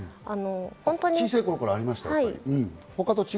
小さい頃からありましたか？